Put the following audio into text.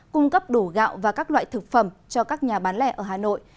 cung cấp đủ gạo và các loại thực phẩm cho các nhà bán lẻ ở hà nội